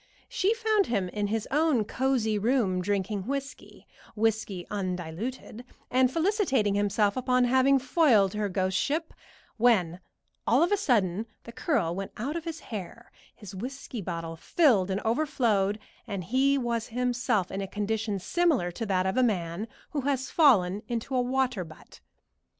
She found him in his own cosey room drinking whiskey whiskey undiluted and felicitating himself upon having foiled her ghost ship, when all of a sudden the curl went out of his hair, his whiskey bottle filled and overflowed, and he was himself in a condition similar to that of a man who has fallen into a water butt.